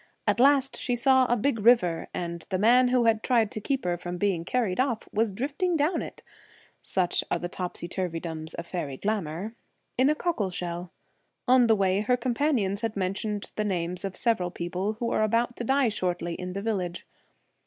At last she saw a big river, and the man who had tried to keep her from being carried off was drifting down it — such are the topsy turvydoms of faery glamour — in a cockle 9 The shell. On the way her companions had Celtic ■ j 1 r i Twilight, mentioned the names of several people who were about to die shortly in the village.